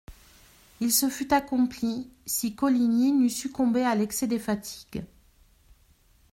Il se fût accompli, si Coligny n'eût succombé à l'excès des fatigues.